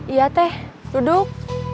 iya teh duduk